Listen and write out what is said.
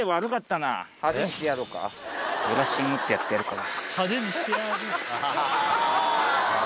ブラッシングってやってやるから。